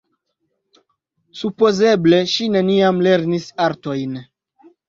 Supozeble ŝi neniam lernis artojn.